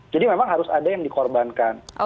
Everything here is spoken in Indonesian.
jadi memang harus ada yang dikorbankan